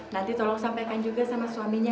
nanti tolong sampaikan juga sama suaminya